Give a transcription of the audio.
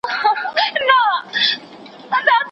هم هوښيار وو هم عادل پر خلكو گران وو